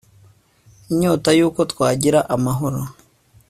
inyota y'uko twagira amahoro